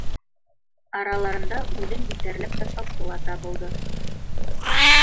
Араларында үҙен битәрләп ташлаусы ла табылды: